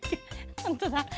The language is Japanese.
ほんとだ。